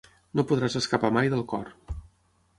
No podràs escapar mai del cor.